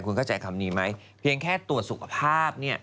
คุณเข้าใจคำนี้ไหมเพียงแค่ตรวจสุขภาพเนี่ย